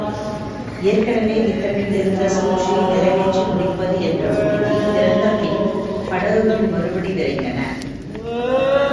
ஏற்கெனவே திட்டமிட்டிருந்த சூழ்ச்சியை நிறைவேற்றி முடிப்பது என்ற உறுதி பிறந்த பின் படகுகள் மறுபடி விரைந்தன.